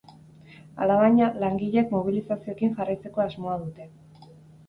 Alabaina, langileek mobilizazioekin jarraitzeko asmoa dute.